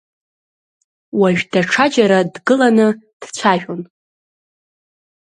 Уажә даҽаџьара дгыланы дцәажәон…